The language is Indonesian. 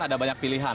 ada banyak pilihan